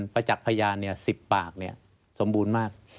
ไปจากพยานเนี่ย๑๐ปากเนี่ยสมบูรณ์มาก